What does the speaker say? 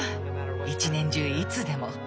一年中いつでも。